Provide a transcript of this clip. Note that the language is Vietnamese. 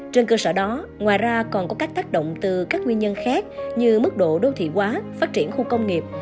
trên cơ sở đó ngoài ra còn có các tác động từ các nguyên nhân khác như mức độ đô thị quá phát triển khu công nghiệp